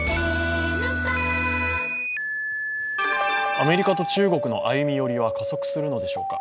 アメリカと中国の歩み寄りは加速するのでしょうか。